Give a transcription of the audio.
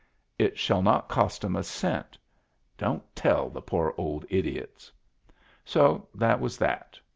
It shall not cost 'em a cent. Don't tell the poor old idiots." So that was that.